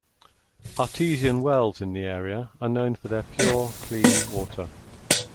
Artesian wells in the area are known for their pure, clean water.